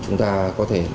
chúng ta có thể trả lại